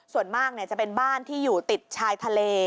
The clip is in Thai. ส่วนมากจะเป็นบ้านที่อยู่ติดชายทะเล